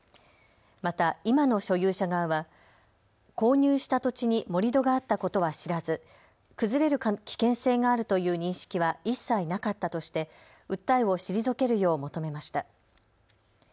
また今の所有者側は購入した土地に盛り土があったことは知らず崩れる危険性があるという認識は一切なかったとして訴えを退けるよう求めました。